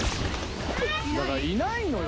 だからいないのよ